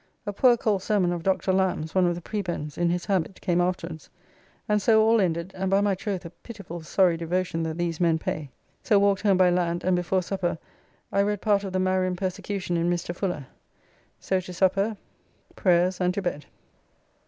A poor cold sermon of Dr. Lamb's, one of the prebends, in his habit, came afterwards, and so all ended, and by my troth a pitiful sorry devotion that these men pay. So walked home by land, and before supper I read part of the Marian persecution in Mr. Fuller. So to supper, prayers, and to bed.